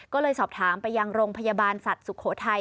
ก็เลยสอบถามไปยังโรงพยาบาลสัตว์สุโขทัย